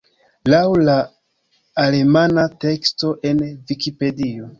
Laŭ la alemana teksto en Vikipedio.